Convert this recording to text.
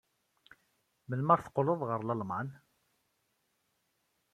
Melmi ara teqqleḍ ɣer Lalman?